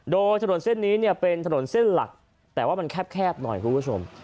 โดยถนนเส้นนี้เนี่ยเป็นถนนเส้นหลักแต่ว่ามันแคบหน่อยคุณผู้ชม